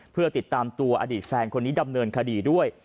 เพื่อติดตามตัวอดีตแฟนคนนี้ดำเนินคดีด้วย